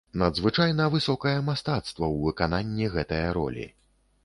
Надзвычайна высокае мастацтва ў выкананні гэтае ролі.